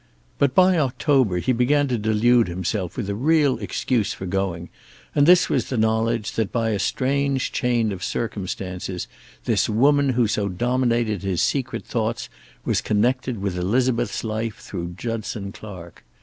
But by October he began to delude himself with a real excuse for going, and this was the knowledge that by a strange chain of circumstance this woman who so dominated his secret thoughts was connected with Elizabeth's life through Judson Clark.